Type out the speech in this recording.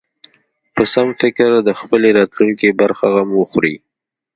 په سم فکر د خپلې راتلونکې برخه غم وخوري.